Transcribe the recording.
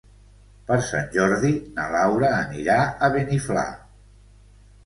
Per Sant Jordi na Laura anirà a Beniflà.